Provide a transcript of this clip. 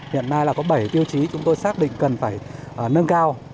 hiện nay là có bảy tiêu chí chúng tôi xác định cần phải nâng cao